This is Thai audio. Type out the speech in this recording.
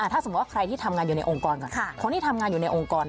ถ้าสมมุติว่าใครที่ทำงานอยู่ในองค์กร